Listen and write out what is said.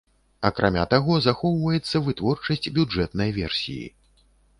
Акрамя таго, захоўваецца вытворчасць бюджэтнай версіі.